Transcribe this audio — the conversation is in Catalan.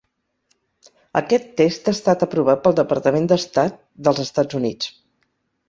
Aquest test ha estat aprovat pel Departament d'Estat dels Estats Units.